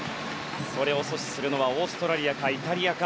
それを阻止するのはオーストラリアかイタリアか。